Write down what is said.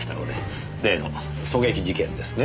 例の狙撃事件ですね。